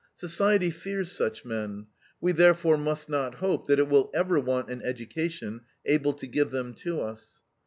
Society fears such men; we therefore must not hope that it will ever want an education able to give them to us.